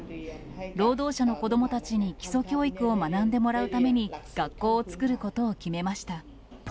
労働者の子どもたちに基礎教育を学んでもらうために、学校を作ることを決めました。